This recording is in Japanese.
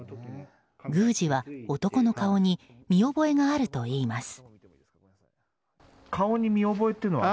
宮司は男の顔に見覚えがあるといいます。